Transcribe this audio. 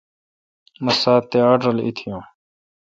مہ سات تے آڑھ رل ایتیون